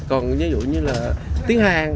còn ví dụ như là tiếng hàn